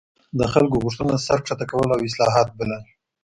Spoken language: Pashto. د خلکو غوښتنو ته سر ښکته کول او اصلاحات بلل.